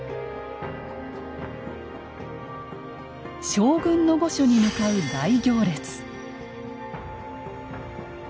将軍の御所に向かう大行列。